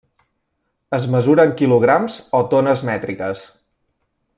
Es mesura en quilograms o tones mètriques.